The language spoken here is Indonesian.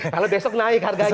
kalau besok naik harganya